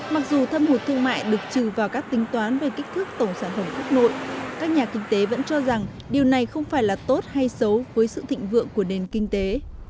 mặc dù thâm hụt thương mại được trừ vào các tính toán về kích thước tổng sản phẩm quốc nội các nhà kinh tế vẫn cho rằng điều này không phải là tốt hay xấu với sự thịnh vượng của nền kinh tế